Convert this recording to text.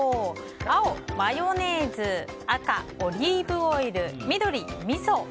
青、マヨネーズ赤、オリーブオイル緑、みそ。